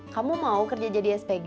kamu mau kerja jadi spg